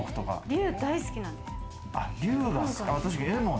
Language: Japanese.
龍、大好きなんです。